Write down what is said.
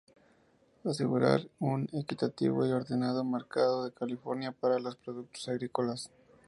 Asegurar un equitativo y ordenado mercado de California para los productos agrícolas.